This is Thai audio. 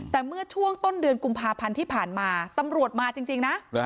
แต่เมื่อช่วงต้นเดือนกุมภาพันธ์ที่ผ่านมาตำรวจมาจริงนะ